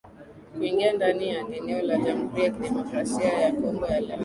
kuingia ndani ya eneo la Jamhuri ya Kidemokrasia ya Kongo ya leo